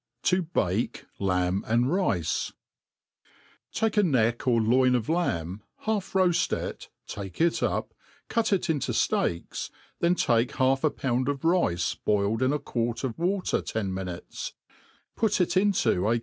To make Lamb and RUe^ TAKE a neck pr loin of lamb, half roaft ie^ take tC iip» cut it into fteaks^ then take half a pound of rice boiIe4 tn a q^uart of water ten nainutes, put it into a.